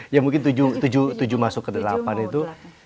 ya mungkin tujuh masuk ke delapan itu